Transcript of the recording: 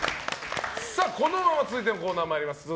このまま続いてのコーナーに参りましょう。